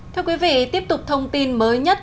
theo quý vị tiếp tục thông tin mới nhất